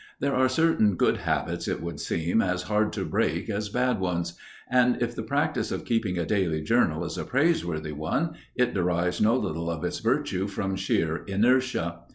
There are certain good habits, it would seem, as hard to break as bad ones, and if the practice of keeping a daily journal is a praiseworthy one, it derives no little of its virtue from sheer inertia.